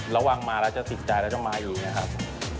ระวังมาแล้วจะติดใจแล้วจะมายีนะครับ